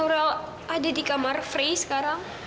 aurel ada di kamar frey sekarang